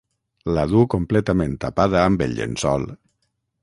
La du completament tapada amb el llençol.